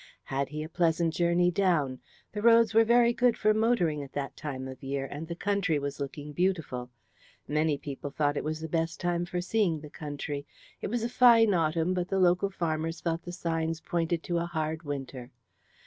Had he a pleasant journey down? The roads were very good for motoring at that time of year, and the country was looking beautiful. Many people thought it was the best time for seeing the country. It was a fine autumn, but the local farmers thought the signs pointed to a hard winter.